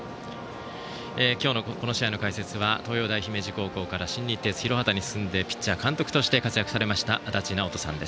今日、この試合の解説は東洋大姫路高校から新日鉄広畑に進んでピッチャー、監督として活躍されました、足達尚人さん。